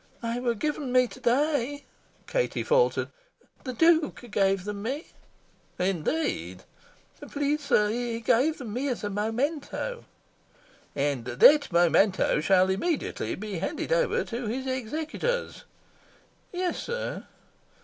"They were given to me to day," Katie faltered. "The Duke gave me them." "Indeed?" "Please, sir, he gave me them as a memento." "And that memento shall immediately be handed over to his executors." "Yes, sir."